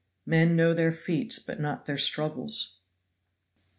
Men know their feats but not their struggles!